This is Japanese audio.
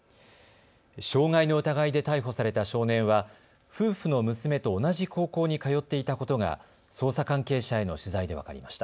傷害の疑いで逮捕された少年は夫婦の娘と同じ高校に通っていたことが捜査関係者への取材で分かりました。